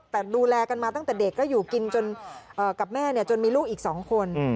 แต่ดูแลกันมาตั้งแต่เด็กก็อยู่กินจนกับแม่จนมีลูกอีก๒คน